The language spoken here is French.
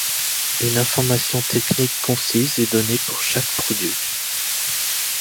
Une information technique concise est donnée pour chaque produit.